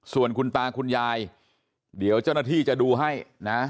ส่วนคุณตาคุณยายเดี๋ยวเจ้าหน้าที่จะดูให้นะ